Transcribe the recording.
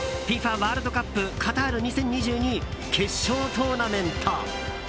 ワールドカップカタール２０２２決勝トーナメント。